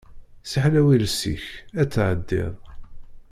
Ssiḥlew iles-ik, ad tɛeddiḍ.